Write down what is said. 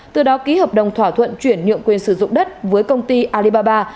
từ đó ký hợp đồng thỏa thuận chuyển nhượng quyền sử dụng đất với công ty alibaba